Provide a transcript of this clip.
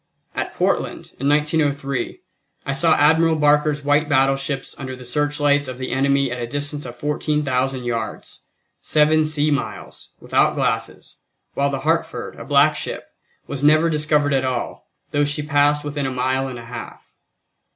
At Portland, in 1903, I saw Admiral Barker's white battleships under the searchlights of the army at a distance of 14,000 yards, seven sea miles, without glasses, while the Hartford, a black ship, was never discovered at all, though she passed within a mile and a half.